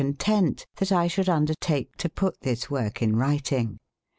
content tbat I sboulde undertake to put tbis woorke in writyng.